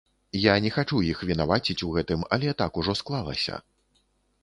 Я не хачу іх вінаваціць у гэтым, але так ужо склалася.